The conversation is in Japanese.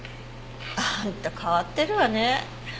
あんた変わってるわね。